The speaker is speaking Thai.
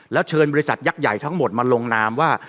แล้วเชิญบริษัทยักษ์ใหญ่ทั้งหมดมาลงนามว่า